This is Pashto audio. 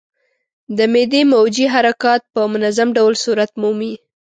د معدې موجې حرکات په منظم ډول صورت مومي.